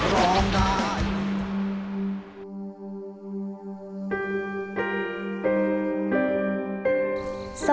ร้องได้